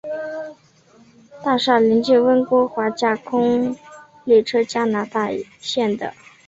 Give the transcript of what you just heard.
大厦邻近温哥华架空列车加拿大线的。